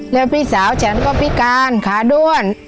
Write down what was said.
แล้วพี่สาวฉันก็พิการขาด้วน